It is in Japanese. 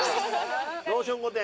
ローション御殿。